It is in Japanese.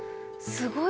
すごい。